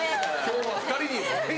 今日は２人に。